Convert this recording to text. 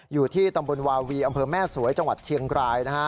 อยู่ที่ตำบลวาวีอำเภอแม่สวยจังหวัดเชียงรายนะฮะ